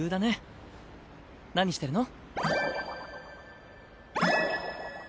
何してるの？